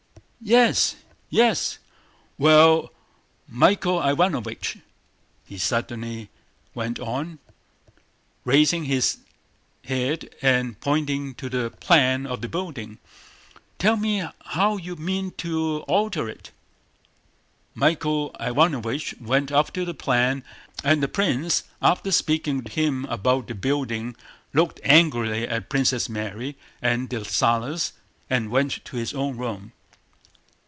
"Yes... yes... Well, Michael Ivánovich," he suddenly went on, raising his head and pointing to the plan of the building, "tell me how you mean to alter it...." Michael Ivánovich went up to the plan, and the prince after speaking to him about the building looked angrily at Princess Mary and Dessalles and went to his own room.